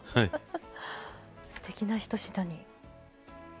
すてきなひと品に。